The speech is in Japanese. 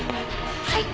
はい！